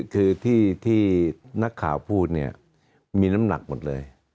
คือที่นักข่าวพูดเนี่ยมีน้ำหนักหมดเลย